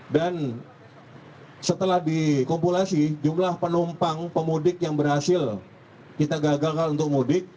dan setelah dikumpulasi jumlah penumpang pemudik yang berhasil kita gagalkan untuk mudik